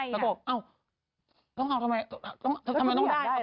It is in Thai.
แล้วเขาบอกอ้าวต้องเอาทำไมทำไมต้องได้